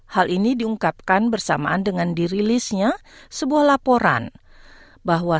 hal ini diungkapkan bersamaan dengan dirilisnya sebuah laporan bahwa